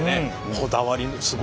こだわりのすごい情熱。